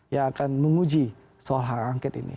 yang akan menguji soal hak angket ini